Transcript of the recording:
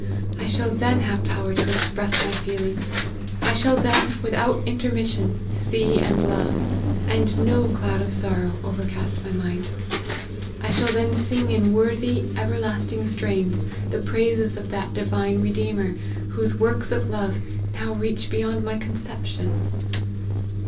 I shall then have power to express my feelings ; I shall then, without intermission, see and love ; and no cloud of sorrow overcast my mind. I shall then sing in worthy, everlasting strains, the praises of that divine Redeemer, whose works of love now reach beyond my conception."